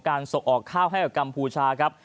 ส่งออกข้าวให้กับกัมพูชาครับ